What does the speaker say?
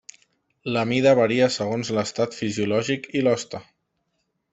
La mida varia segons l'estat fisiològic i l'hoste.